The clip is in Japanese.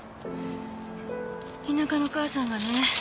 田舎の母さんがね